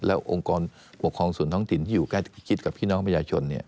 แล้วองค์กรปกครองส่วนท้องถิ่นที่อยู่ใกล้ชิดกับพี่น้องประชาชน